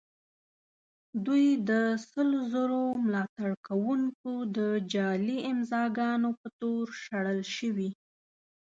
دوی د سلو زرو ملاتړ کوونکو د جعلي امضاء ګانو په تور شړل شوي.